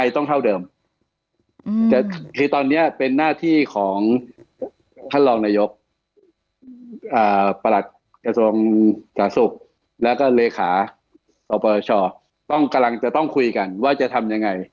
คือตอนนี้เป็นหน้าที่ของท่านรองนายกประหลัดกระทรวงสาธารณสุขแล้วก็เลขาสปชต้องกำลังจะต้องคุยกันว่าจะทำยังไง